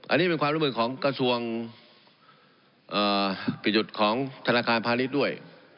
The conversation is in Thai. อันนี้เป็นความรู้สึกของกระทรวงเอ่อผิดหยุดของธนาคารพาณิชย์ด้วย